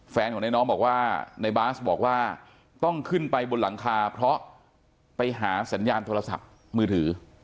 แฟนของในน้องบอกว่าในบาสบอกว่าต้องขึ้นไปบนหลังคาเพราะไปหาสัญญาณโทรศัพท์มือถือ